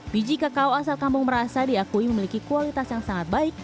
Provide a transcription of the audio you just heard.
biji kakao asal kampung merasa diakui memiliki kualitas yang sangat baik